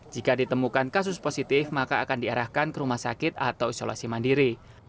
jika ditemukan kasus positif maka akan diarahkan ke rumah sakit atau isolasi mandiri